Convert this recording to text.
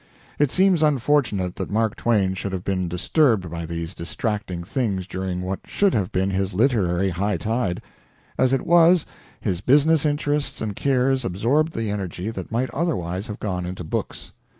It seems unfortunate that Mark Twain should have been disturbed by these distracting things during what should have been his literary high tide. As it was, his business interests and cares absorbed the energy that might otherwise have gone into books.